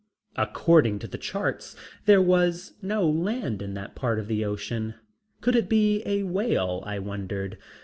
According to the charts there was no land in that part of the ocean. Could it be a whale, I wondered?